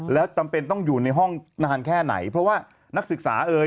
แล้วจำเป็นต้องอยู่ในห้องนานแค่ไหนเพราะว่านักศึกษาเอ่ย